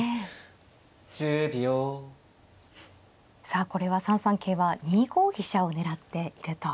さあこれは３三桂は２五飛車を狙っていると。